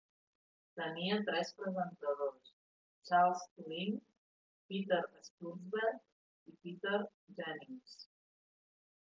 Tenia tres presentadors: Charles Lynch, Peter Stursberg i Peter Jennings.